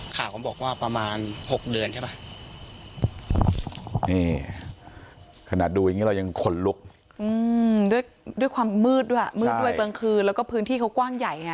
ขนาดดูอย่างนี้เรายังขนลุกด้วยความมืดด้วยกลางคืนแล้วก็พื้นที่เขากว้างใหญ่ไง